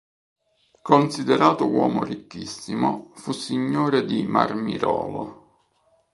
Considerato uomo ricchissimo, fu signore di Marmirolo.